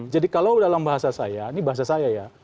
jadi kalau dalam bahasa saya ini bahasa saya ya